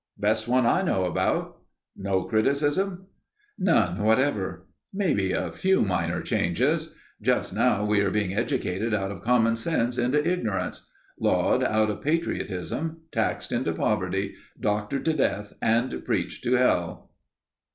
"Best one I know about." "No criticism?" "None whatever. Maybe a few minor changes. Just now we are being educated out of common sense into ignorance; lawed out of patriotism; taxed into poverty; doctored to death and preached to hell...."